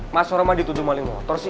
mas roma dituduh maling motor sih